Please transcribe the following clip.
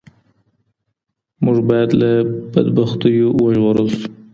موږ باید له بدبختیو وژغورل سو.